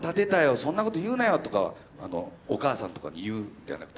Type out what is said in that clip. そんなこと言うなよ」とかお母さんとかに言うんじゃなくて。